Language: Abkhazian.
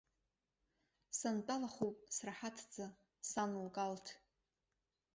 Сантәалахуп сраҳаҭӡа сан лкалҭ!